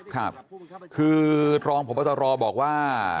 ครับคือรองผ่วงประวัตรรอบอกว่า